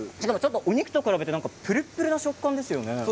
お肉と比べてぷるぷるの食感ですよね。